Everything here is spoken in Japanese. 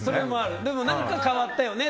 でも何か変わったよね。